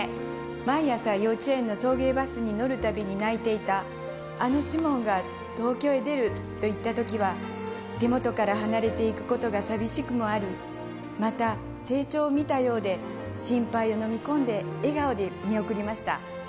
毎朝、幼稚園の送迎バスに乗るたびに泣いていたあの士門が東京へ出ると言った時は手元から離れていくことが寂しくもありまた、成長を見たようで心配をのみ込んで笑顔で見送りました。